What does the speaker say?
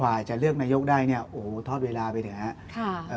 ว่าจะเลือกนะโยกได้นี่เขาทอดเวลาไปแถวนี้